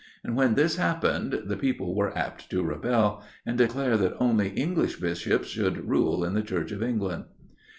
And when this happened the people were apt to rebel, and declare that only English Bishops should rule in the Church of England.